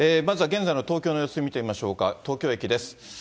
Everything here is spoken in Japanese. まずは現在の東京の様子を見てみましょうか。